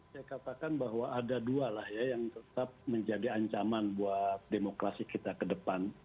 saya katakan bahwa ada dua lah ya yang tetap menjadi ancaman buat demokrasi kita ke depan